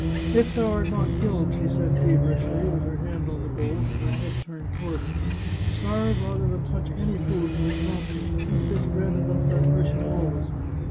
" If thou art not killed," she said feverishly, with her hand on the bolt and her head turned toward him, " starve rather than touch any food that is brought thee. Keep this bread about thy person always."